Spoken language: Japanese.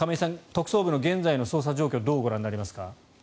特捜分の現在の捜査状況をどうご覧になりますか？